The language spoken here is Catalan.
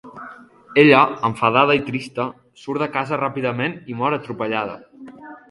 Ella, enfadada i trista, surt de casa ràpidament i mor atropellada.